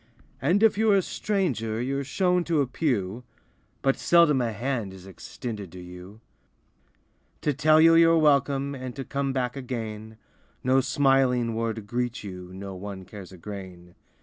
And if you're a stranger You're shown to a pew, 74 LIFE WAVES But seldom a hand Is extended to you. To tell you you're welcome. And to come back again, No smiling word greets you, No one cares a grain.